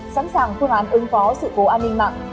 sẵn sàng phương án ứng phó sự cố an ninh mạng